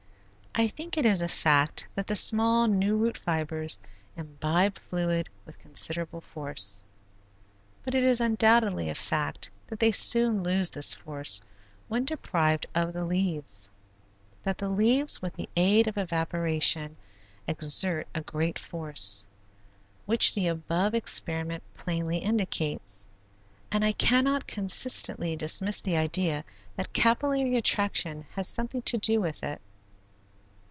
I think it is a fact that the small, new root fibers imbibe fluid with considerable force, but it is undoubtedly a fact that they soon lose this force when deprived of the leaves; that the leaves with the aid of evaporation, exert a great force, which the above experiment plainly indicates; and I cannot consistently dismiss the idea that capillary attraction has something to do with it.